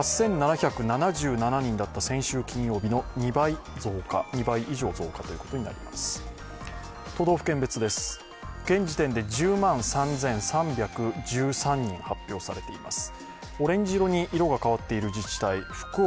８７７７人だった先週金曜日の２倍以上増加ということになります